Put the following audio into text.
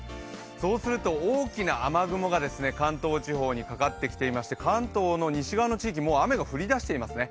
そうすると大きな雨雲が関東地方にかかってきていまして関東の西側の地域、もう雨が降りだしていますね。